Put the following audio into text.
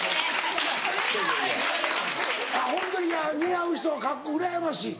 ホント似合う人はうらやましい。